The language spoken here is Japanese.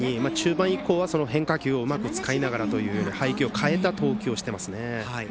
中盤以降は変化球をうまく使いながらという配球を変えています。